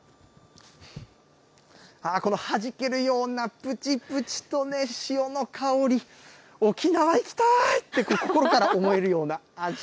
このはじけるような、ぷちぷちとね、潮の香り、沖縄行きたい！って心から思えるような味。